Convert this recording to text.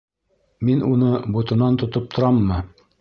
Мин уны ботонан тотоп тораммы?